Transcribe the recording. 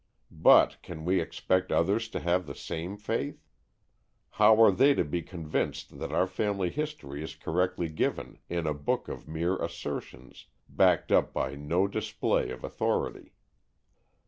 But can we expect others to have this same faith? How are they to be convinced that our family history is correctly given in a book of mere assertions, backed up by no display of authority?